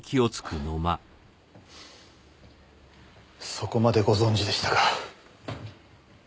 そこまでご存じでしたか。